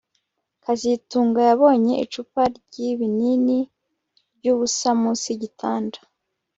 kazitunga yabonye icupa ryibinini ryubusa munsi yigitanda